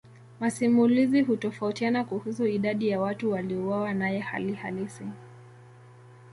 Masimulizi hutofautiana kuhusu idadi ya watu waliouawa naye hali halisi.